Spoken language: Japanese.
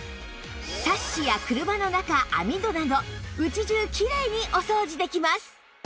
サッシや車の中網戸など家中キレイにお掃除できます